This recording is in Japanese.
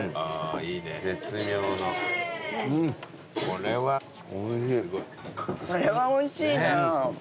これはおいしいな。